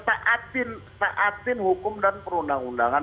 tak asin hukum dan perundang undangan